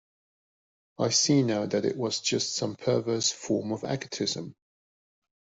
I see now that it was just some perverse form of egotism.